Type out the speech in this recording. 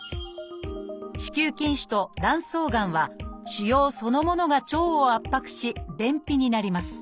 「子宮筋腫」と「卵巣がん」は腫瘍そのものが腸を圧迫し便秘になります